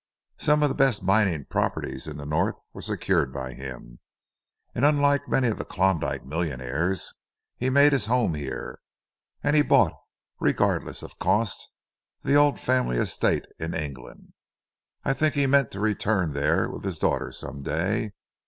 Some of the best mining properties in the North were secured by him, and unlike many of the Klondyke millionaires he made his home here, and he bought, regardless of cost, the old family estate in England. I think he meant to return there, with his daughter, some day.